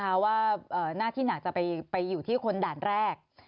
เพราะว่าหน้าที่หนักจะไปอยู่ที่คนด่านแรก